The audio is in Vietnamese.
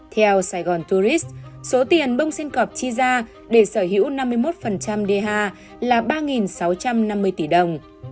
theo sài gòn tourist số tiền bông xin cọp chi ra để sở hữu năm mươi một dha là ba sáu trăm năm mươi tỷ đồng